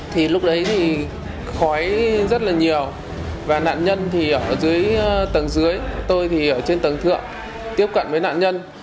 thì lúc đấy thì khói rất là nhiều và nạn nhân thì ở dưới tầng dưới tôi thì ở trên tầng thượng tiếp cận với nạn nhân